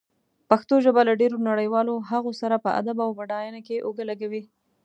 پښتو ژبه له ډېرو نړيوالو هغو سره په ادب او بډاینه کې اوږه لږوي.